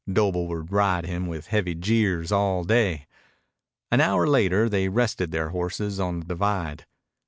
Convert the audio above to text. Doble would ride him with heavy jeers all day. An hour later they rested their horses on the divide.